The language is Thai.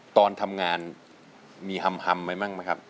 ตอนทำงานมีแฮมมั้ยมั้ยครับ